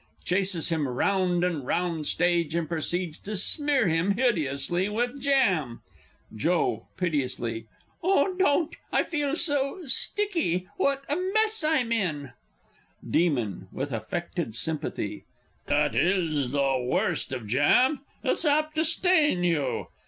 [Chases him round and round stage, and proceeds to smear him hideously with jam. Joe (piteously). Oh, don't! I feel so sticky. What a mess I'm in! Demon (with affected sympathy). That is the worst of jam it's apt to stain you.